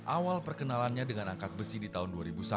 awal perkenalannya dengan angkat besi di tahun dua ribu satu